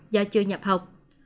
do chưa nhập học